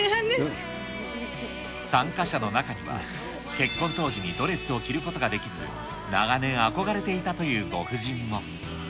参加者の中には、結婚当時にドレスを着ることができず、長年憧れていたというご婦人も。